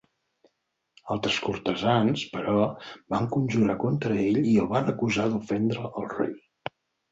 Altres cortesans, però, van conjurar contra ell i el van acusar d'ofendre al rei.